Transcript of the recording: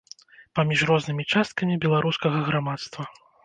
Паміж рознымі часткамі беларускага грамадства.